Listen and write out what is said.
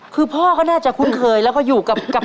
คือพ่อก็น่าจะคุ้นเคยแล้วก็อยู่กับ